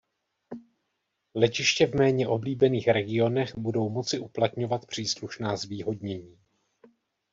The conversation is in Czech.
Letiště v méně oblíbených regionech budou moci uplatňovat příslušná zvýhodnění.